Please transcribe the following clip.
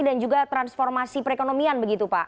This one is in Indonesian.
dan juga transformasi perekonomian begitu pak